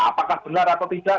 apakah benar atau tidak